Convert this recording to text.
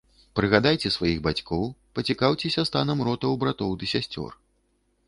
Прыгадайце сваіх бацькоў, пацікаўцеся станам рота ў братоў ды сясцёр.